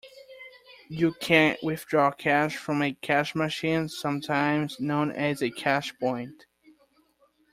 You can withdraw cash from a cash machine, sometimes known as a cashpoint